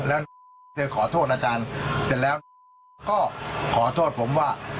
แล้วเธอขอโทษอาจารย์เสร็จแล้วก็ขอโทษผมว่า